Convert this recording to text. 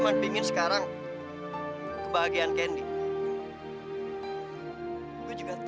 orang orang trusettanya adipanya artem berkata